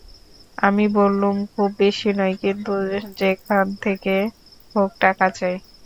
আমি বললুম, খুব বেশি নয়, কিন্তু যেখান থেকে হোক টাকা চাই।